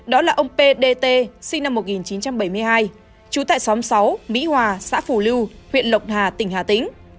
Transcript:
đó là ông p d t sinh năm một nghìn chín trăm bảy mươi hai trú tại xóm sáu mỹ hòa xã phủ lưu huyện lộc hà tỉnh hà tĩnh